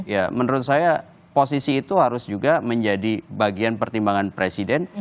ya menurut saya posisi itu harus juga menjadi bagian pertimbangan presiden